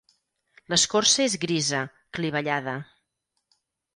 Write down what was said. L'escorça és grisa, clivellada.